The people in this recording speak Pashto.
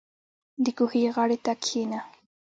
• د کوهي غاړې ته کښېنه.